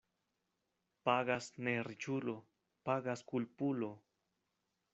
Pagas ne riĉulo, pagas kulpulo.